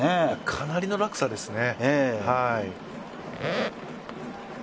かなりの落差ですね。